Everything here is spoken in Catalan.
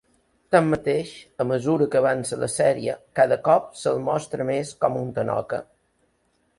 Tanmateix, a mesura que avança la sèrie, cada cop se'l mostra més com un tanoca.